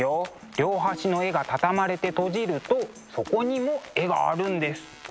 両端の絵が畳まれて閉じるとそこにも絵があるんです。